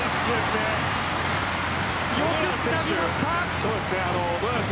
よくつなぎました。